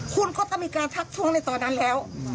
คุณก็ต้องมีการทักท้วงในตอนนั้นแล้ว